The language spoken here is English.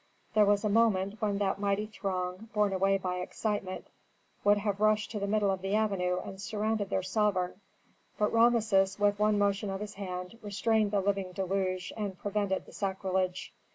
There was a moment when that mighty throng, borne away by excitement, would have rushed to the middle of the avenue and surrounded their sovereign. But Rameses, with one motion of his hand, restrained the living deluge and prevented the sacrilege.